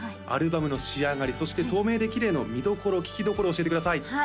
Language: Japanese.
アルバムの仕上がりそして「透明できれい」の見どころ聴きどころ教えてください